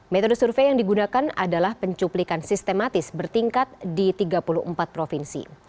metode survei yang digunakan adalah pencuplikan sistematis bertingkat di tiga puluh empat provinsi